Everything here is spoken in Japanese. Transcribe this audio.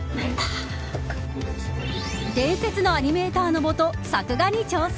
伝説のアニメーターの元作画に挑戦。